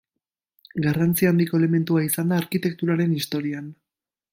Garrantzi handiko elementua izan da arkitekturaren historian.